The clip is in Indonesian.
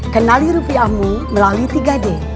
kenali rupiahmu melalui tiga d